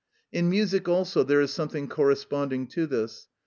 In music also there is something corresponding to this.